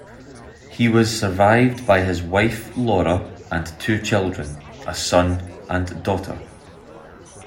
He was survived by his wife, Laura, and two children, a son and daughter.